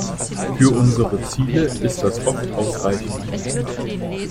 Für unsere Ziele ist das oft ausreichend.